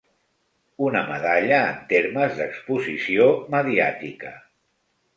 Una medalla en termes d'exposició mediàtica.